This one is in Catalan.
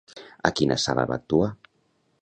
A quina sala va actuar?